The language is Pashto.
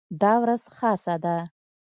دا ورځ خاصه ده.